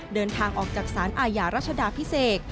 เดินทางออกจากสารอาญารัชดาพิเศษ